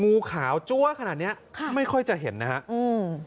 งูขาวจั๊วขนาดเนี้ยค่ะไม่ค่อยจะเห็นนะฮะอืม